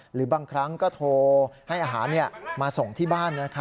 หรือบางครั้งก็โทรให้อาหารมาส่งที่บ้าน